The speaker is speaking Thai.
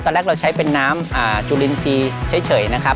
แรกเราใช้เป็นน้ำจุลินทรีย์เฉยนะครับ